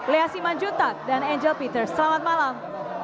lea siman jutak dan angel peters selamat malam